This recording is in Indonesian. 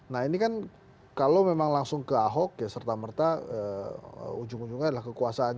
nah ini kan kalau memang langsung ke ahok ya serta merta ujung ujungnya adalah kekuasaan